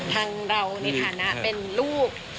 ทางเราในฐานะเป็นลูก